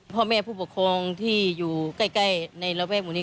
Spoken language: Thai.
พ่อแม่ผู้ปกครองที่อยู่ใกล้ในระแวกหมู่นี้